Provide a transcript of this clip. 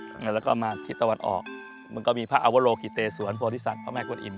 แล้วแล้วก็มาทิศตะวันออกมันก็มีภาพอวโลฮิเตศวรพลธิศัตริย์พระแม่กลวนอิม